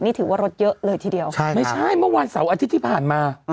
นี่ถือว่ารถเยอะเลยทีเดียวใช่ไม่ใช่เมื่อวานเสาร์อาทิตย์ที่ผ่านมา